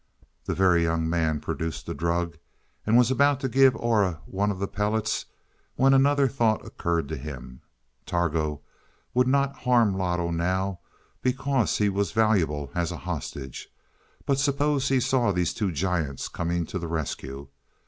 The Very Young Man produced the drug and was about to give Aura one of the pellets when another thought occurred to him. Targo would not harm Loto now because he was valuable as a hostage. But suppose he saw these two giants coming to the rescue?